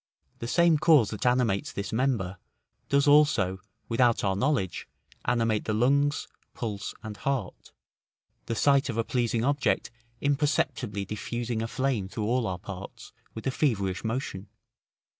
The same cause that animates this member, does also, without our knowledge, animate the lungs, pulse, and heart, the sight of a pleasing object imperceptibly diffusing a flame through all our parts, with a feverish motion.